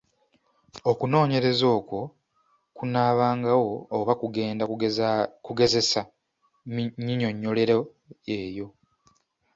Okunoonyereza okwo kunaabangawo oba kugenda kugezesa nnyinnyonnyolero eyo.